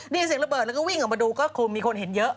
ได้ยินเสียงระเบิดแล้วก็วิ่งออกมาดูก็คือมีคนเห็นเยอะ